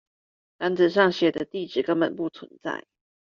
單子上寫的地址根本不存在